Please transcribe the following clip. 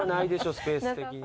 スペース的に。